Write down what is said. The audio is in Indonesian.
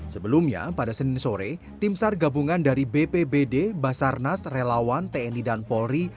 sebelumnya pada senin sore tim sar gabungan dari bpbd basarnas relawan tni dan polri